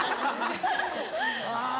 あぁ。